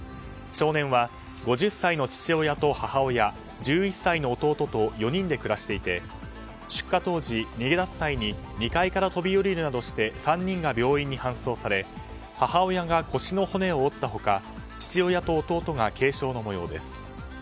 少年は５０歳の父親と母親１１歳の弟と４人で暮らしていて出火当時、逃げ出す際に２階から飛び降りるなどして３人が病院に搬送され母親が腰の骨を折った他父親と弟が軽傷の模様です。